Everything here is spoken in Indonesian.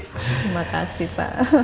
terima kasih pak